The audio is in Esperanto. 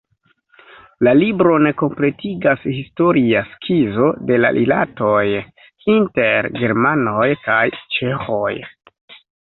La libron kompletigas historia skizo de la rilatoj inter germanoj kaj ĉeĥoj.